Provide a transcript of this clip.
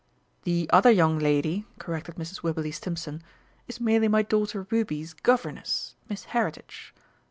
"The other young lady," corrected Mrs. Wibberley Stimpson, "is merely my daughter Ruby's governess Miss Heritage.